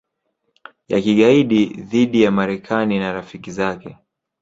ya kigaidi dhidi ya Marekani na rafiki zake